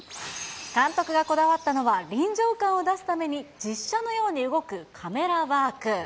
監督がこだわったのは、臨場感を出すために、実写のように動くカメラワーク。